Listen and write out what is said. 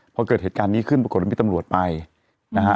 พอเกิดเหตุการณ์นี้ขึ้นปรากฏว่ามีตำรวจไปนะฮะ